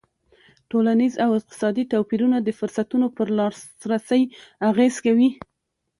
ټولنیز او اقتصادي توپیرونه د فرصتونو پر لاسرسی اغېز کوي.